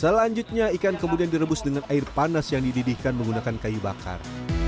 selanjutnya ikan kemudian direbus dengan air panas yang dididihkan menggunakan kayu bakar